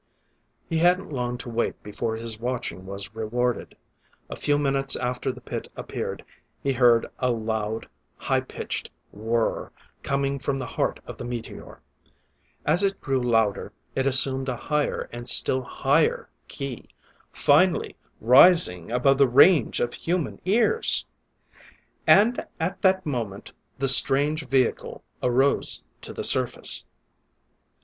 He hadn't long to wait before his watching was rewarded. A few minutes after the pit appeared, he heard a loud, high pitched whir coming from the heart of the meteor. As it grew louder, it assumed a higher and still higher key, finally rising above the range of human ears. And at that moment the strange vehicle arose to the surface.